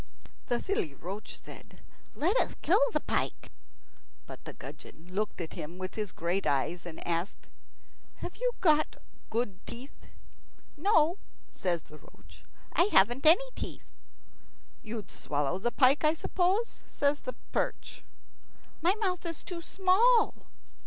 The silly roach said, "Let us kill the pike." But the gudgeon looked at him with his great eyes, and asked, "Have you got good teeth?" "No," says the roach, "I haven't any teeth." "You'd swallow the pike, I suppose?" says the perch. "My mouth is too small."